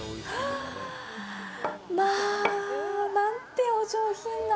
まあ、なんてお上品な。